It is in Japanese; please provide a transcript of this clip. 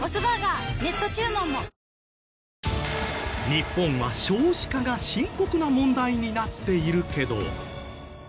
日本は少子化が深刻な問題になっているけど。